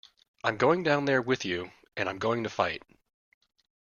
I'm going down there with you, and I'm going to fight.